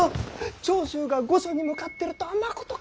長州が御所に向かってるとはまことか？